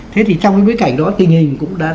thế thì trong cái bối cảnh đó tình hình cũng đã